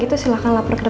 tidak apa apa mas